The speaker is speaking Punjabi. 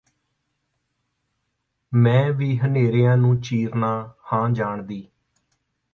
ਮੈਂ ਵੀ ਹਨੇਰਿਆਂ ਨੂੰ ਚੀਰਨਾਂ ਹਾਂ ਜਾਣਦੀ